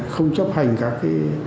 không chấp hành cả cái